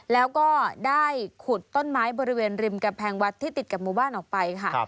แล้วก็ได้ขุดต้นไม้บริเวณริมกำแพงวัดที่ติดกับหมู่บ้านออกไปค่ะ